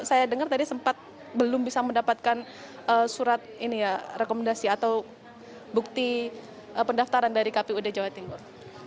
saya dengar tadi sempat belum bisa mendapatkan surat rekomendasi atau bukti pendaftaran dari kpud jawa timur